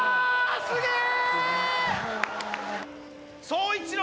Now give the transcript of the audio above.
すげえ！